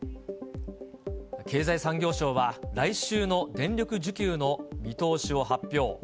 経済産業省は、来週の電力需給の見通しを発表。